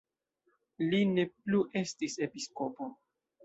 Li ne plu estis episkopo.